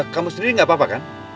kamu sendiri gak apa apa kan